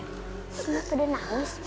kenapa dia nangis